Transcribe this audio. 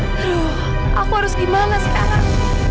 aduh aku harus gimana sekarang